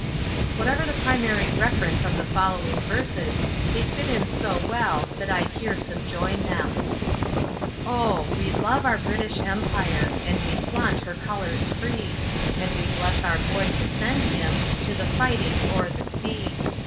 Whatever the primary reference of the following verses, they fit in so well that I here subjoin them: Oh! we love our British Empire, And we flaunt her colors free, And we bless our boy and send him To the fighting o'er the sea.